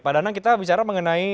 pak danang kita bicara mengenai